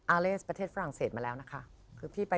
เลสประเทศฝรั่งเศสมาแล้วนะคะ